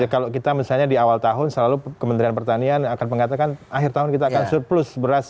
kalau kita misalnya di awal tahun selalu kementerian pertanian akan mengatakan akhir tahun kita akan surplus beras